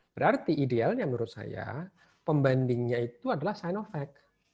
berarti idealnya menurut saya pembandingnya itu adalah sinovac